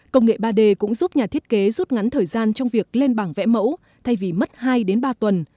công nghệ ba d cũng giúp nhà thiết kế rút ngắn thời gian trong việc lên bảng vẽ mẫu thay vì mất hai đến ba tuần